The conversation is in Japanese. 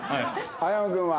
青山君は？